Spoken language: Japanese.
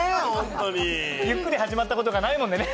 ゆっくり始まったことがないもんでね。